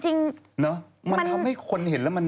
จริงเนาะมันทำให้คนเห็น